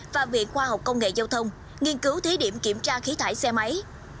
và viện khoa học công nghệ giao thông nghiên cứu thí điểm kiểm tra khí thải xe máy